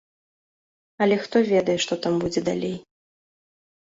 Але хто ведае, што там будзе далей.